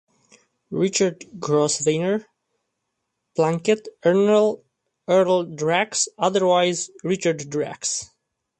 Richard Grosvenor Plunkett-Ernle-Erle-Drax, otherwise Richard Drax.